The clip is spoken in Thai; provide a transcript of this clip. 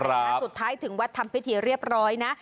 สุดท้ายถึงวัดทำพิธีเรียบร้อยนะ